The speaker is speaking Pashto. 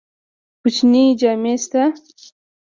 کوچنی جامی شته؟